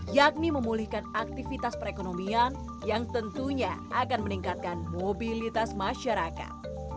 yakni memulihkan aktivitas perekonomian yang tentunya akan meningkatkan mobilitas masyarakat